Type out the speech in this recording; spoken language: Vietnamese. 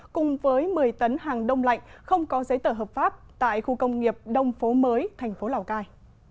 cùng với một mươi tấn hàng đông lạnh không có giấy tờ hợp pháp tại khu công nghiệp đông phố mới thành phố lào cai